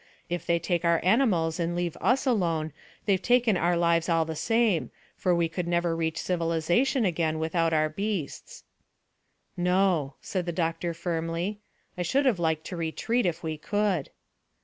If they take our animals and leave us alone they've taken our lives all the same, for we could never reach civilisation again without our beasts." "No," said the doctor firmly. "I should have liked to retreat if we could."